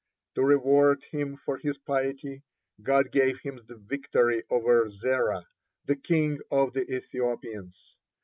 To reward him for his piety, God gave him the victory over Zerah, the king of the Ethiopians.